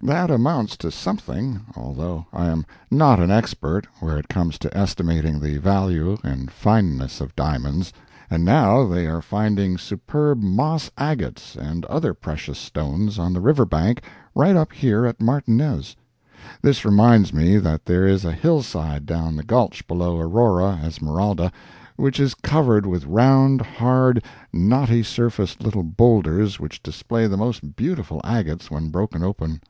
That amounts to something although I am not an expert where it comes to estimating the value and fineness of diamonds. And now they are finding superb moss agates and other precious stones on the river bank right up here at Martinez. This reminds me that there is a hill side down the gulch below Aurora, Esmeralda, which is covered with round, hard, knotty surfaced little boulders which display the most beautiful agates when broken open.